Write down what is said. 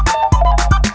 kau mau kemana